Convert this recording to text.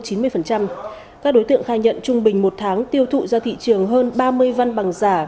các đối tượng khai nhận trung bình một tháng tiêu thụ ra thị trường hơn ba mươi văn bằng giả